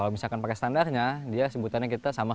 kalau misalkan pakai standarnya dia sebutannya kita sangat mudah